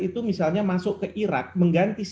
itu misalnya masuk ke irak mengganti